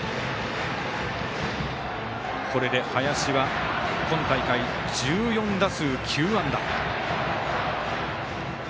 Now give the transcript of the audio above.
これで林は今大会１４打数９安打。